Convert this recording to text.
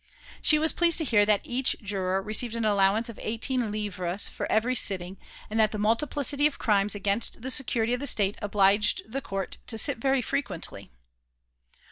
She was pleased to hear that each juror received an allowance of eighteen livres for every sitting and that the multiplicity of crimes against the security of the State obliged the court to sit very frequently.